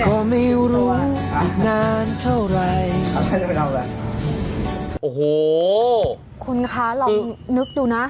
โอ้โหคุณคะเรานึกดูนะ